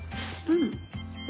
うん。